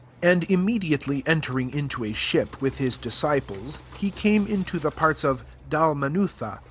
10 And immediately entering into a ship, with his disciplesi he came into the parts of Dal manutha.